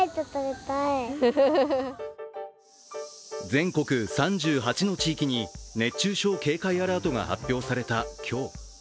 全国３８の地域に熱中症警戒アラートが発表された今日。